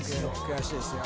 詳しいですよ